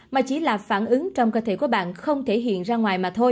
mà chỉ là phản ứng trong cơ thể của bạn không thể hiện